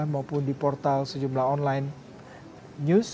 maupun di portal sejumlah online news